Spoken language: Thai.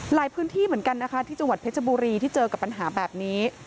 พื้นที่เหมือนกันนะคะที่จังหวัดเพชรบุรีที่เจอกับปัญหาแบบนี้